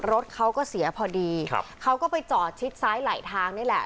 รถเขาก็เสียพอดีครับเขาก็ไปจอดชิดซ้ายไหลทางนี่แหละ